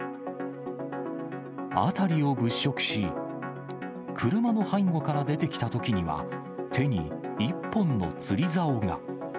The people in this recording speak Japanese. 辺りを物色し、車の背後から出てきたときには、手に１本の釣りざおが。